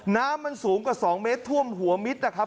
น้ำมันสูงกว่า๒เมตรท่วมหัวมิดนะครับ